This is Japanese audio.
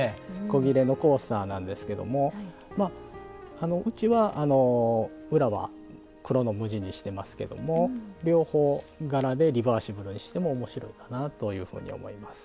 古裂のコースターなんですけどもうちは裏は黒の無地にしてますけども両方柄でリバーシブルにしても面白いかなというふうに思います。